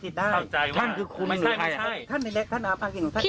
แล้วทำไมเพจในปู่เทพลวงอุโดรนถึงเอาพี่เขาไปอ้างอีกหรือคะ